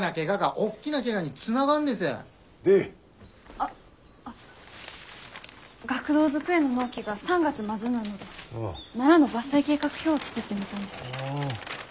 あっ学童机の納期が３月末なのでナラの伐採計画表を作ってみたんですけど。